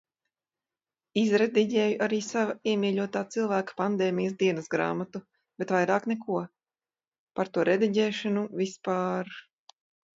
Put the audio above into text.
Izrediģēju arī sava iemīļotā cilvēka pandēmijas dienasgrāmatu, bet vairāk neko. Par to rediģēšanu, vispār...